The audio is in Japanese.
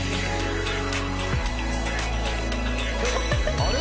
あれ？